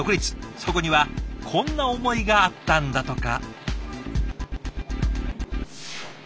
そこにはこんな思いがあったんだとか。